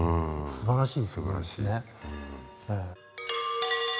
すばらしい。